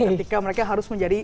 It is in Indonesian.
ketika mereka harus menjadi